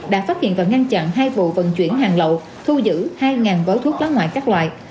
đã phát hiện và ngăn chặn hai vụ vận chuyển hàng lậu thu giữ hai gói thuốc lá ngoại các loại